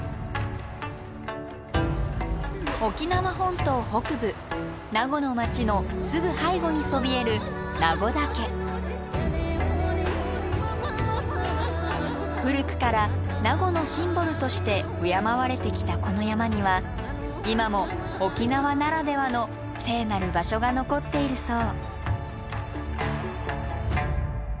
沖縄本島北部名護の町のすぐ背後にそびえる古くから名護のシンボルとして敬われてきたこの山には今も沖縄ならではの聖なる場所が残っているそう。